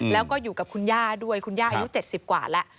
แล้วก็อยู่กับคุณย่าด้วยคุณย่าอายุ๗๐กว่าแล้ว